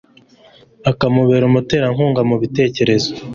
akamubera umuterankunga mu bitekerezo